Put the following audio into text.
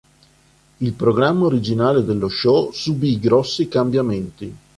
Il programma originale dello show subì grossi cambiamenti.